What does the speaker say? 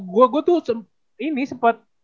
gue tuh ini sempet